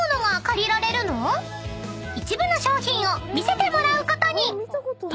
［一部の商品を見せてもらうことに］